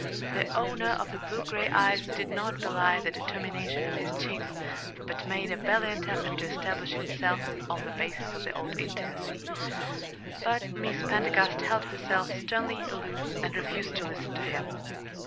The owner of the blue gray eyes did not belie the determination of his chin, but made a valiant effort to establish himself on the basis of the old intimacy; but Miss Pendergast held herself sternly aloof, and refused to listen to him.